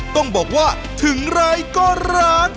ต้องบอกว่าถึงไร้ก็ร้าน